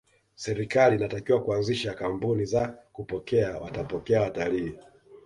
serikali inatakiwa kuanzisha kambuni za kupokea watapokea watalii